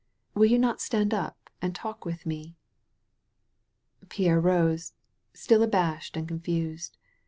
Will you not stand up and talk with me?" Pierre rose, still abashed and confused.